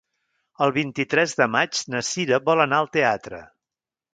El vint-i-tres de maig na Sira vol anar al teatre.